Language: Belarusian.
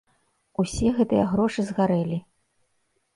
Усе гэтыя грошы згарэлі.